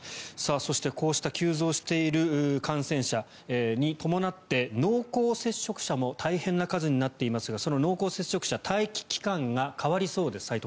そして、こうした急増している感染者に伴って濃厚接触者も大変な数になっていますがその濃厚接触者待機期間が変わりそうです。